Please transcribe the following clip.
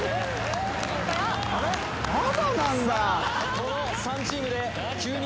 この３チームで９人